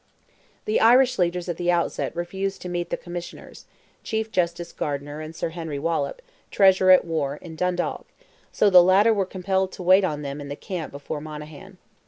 The Irish leaders at the outset refused to meet the Commissioners—Chief Justice Gardiner and Sir Henry Wallop, Treasurer at War—in Dundalk, so the latter were compelled to wait on them in the camp before Monaghan.